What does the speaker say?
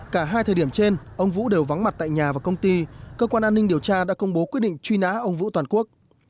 cả hai thời điểm trên ông vũ đều vắng mặt tại nhà và công ty cơ quan an ninh điều tra đã công bố quyết định truy nã ông vũ toàn quốc